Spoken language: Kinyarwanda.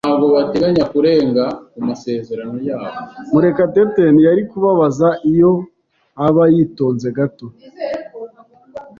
Murekatete ntiyari kubabaza iyo aba yitonze gato.